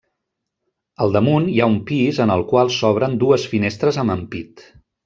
Al damunt hi ha un pis en el qual s'obren dues finestres amb ampit.